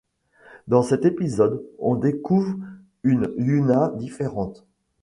Dans cet épisode, on découvre une Yuna différente.